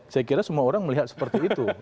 saya kira semua orang melihat seperti itu